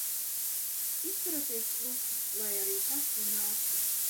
Izturaties klusi, lai arī kas te nāktu.